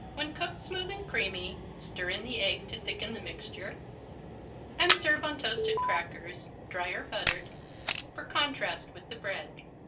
When cooked smooth and creamy, stir in the egg to thicken the mixture and serve on toasted crackers, dry or buttered, for contrast with the bread.